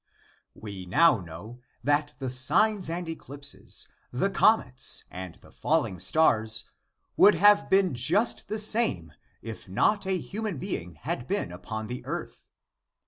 We now know that the signs and eclipses, the comets, and the falling stars, would have been just the same if not a human being had been upon the earth.